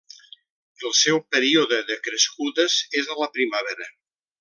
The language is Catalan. El seu període de crescudes és a la primavera.